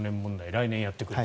来年やってくると。